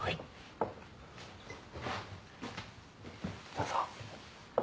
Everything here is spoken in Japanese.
どうぞ。